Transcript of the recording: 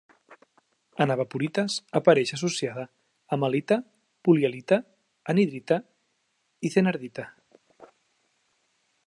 En evaporites apareix associada amb halita, polihalita, anhidrita i thenardita.